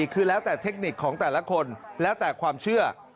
คือแล้วแต่เทคนิคของแต่ละคนแล้วแต่ความเชื่อ